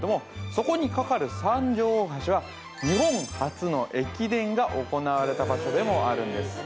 そこにかかる三条大橋は日本初の駅伝が行われた場所でもあるんです